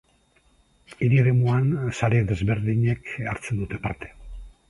Hiri-eremuan sare desberdinek hartzen dute parte.